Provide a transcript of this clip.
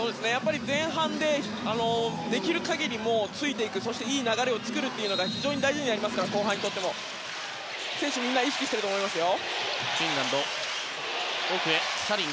前半で、できる限りついていくそしていい流れを作るのが非常に大事になりますから選手意識していると思いますよ。